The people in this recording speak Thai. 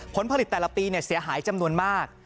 ผลผลิตแต่ละปีเสียหายจำนวนมาก